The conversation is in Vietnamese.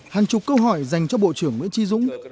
hàng chục câu hỏi dành cho bộ trưởng nguyễn tri dũng